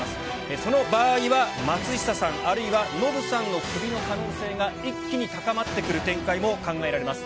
その場合は松下さん、あるいはノブさんのクビの可能性が一気に高まってくる展開も考えられます。